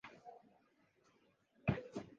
walitahiniwa mwaka elfu moja mia tisa tisini na moja